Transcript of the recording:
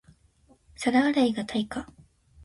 皿洗いが対価